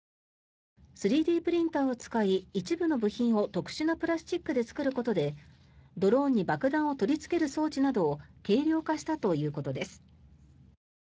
３Ｄプリンターを使い一部の部品を特殊なプラスチックで作ることでドローンに爆弾を取りつける装置などを軽量化したということです。